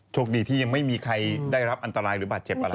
โชคดีที่ยังไม่มีใครได้รับอันตรายหรือบาดเจ็บอะไร